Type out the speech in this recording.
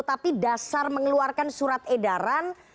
tapi dasar mengeluarkan surat edaran